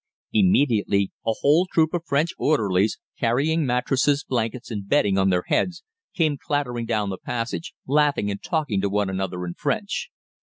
Immediately a whole troop of French orderlies, carrying mattresses, blankets, and bedding on their heads, came clattering down the passage, laughing and talking to one another in French.